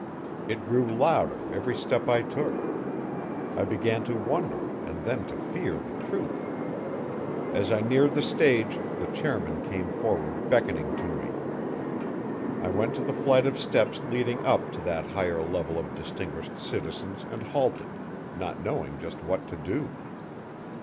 It grew louder every step I took. I began to wonder and then to fear the truth. As I neared the stage the chairman came forward beckoning to me. I went to the flight of steps leading up to that higher level of distinguished citizens and halted, not knowing just what to do.